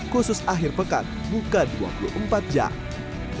khusus akhir pekan buka dua puluh empat jam